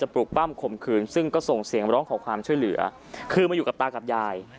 ปลูกปั้มข่มขืนซึ่งก็ส่งเสียงร้องขอความช่วยเหลือคือมาอยู่กับตากับยาย